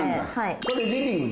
これリビングなの？